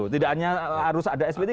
tidak hanya harus ada sp tiga